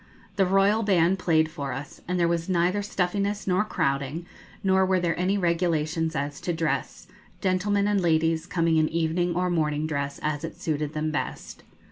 The Royal band played for us, and there was neither stuffiness nor crowding, nor were there any regulations as to dress, gentlemen and ladies coming in evening or morning dress, as it suited them best.